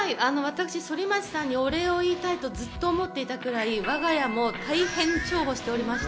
反町さんにお礼を言いたいとずっと思っていたくらい、我が家も大変重宝しています。